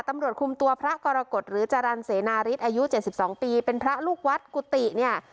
ตำรวจคุมตัวพระกรกฎหรือจรรย์เสนาริสอายุ๗๒ปีเป็นพระลูกวัดกุฏิเนี่ย